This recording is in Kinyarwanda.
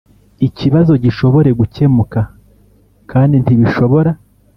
Ikibazo gishobore gukemuka kandi ntibishobora